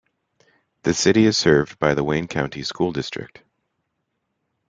The City is served by the Wayne County School District.